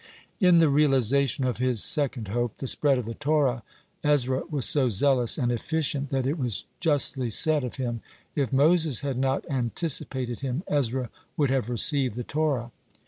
In the realization of his second hope, the spread of the Torah, Ezra was so zealous and efficient that it was justly said of him: "If Moses had not anticipated him, Ezra would have received the Torah."